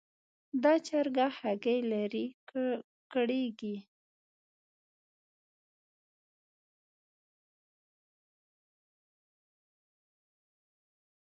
دا چرګه هګۍ لري؛ کړېږي.